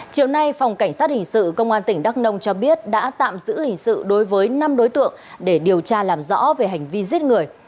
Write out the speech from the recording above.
chiều nay phòng cảnh sát hình sự công an tỉnh đắk nông cho biết đã tạm giữ hình sự đối với năm đối tượng để điều tra làm rõ về hành vi giết người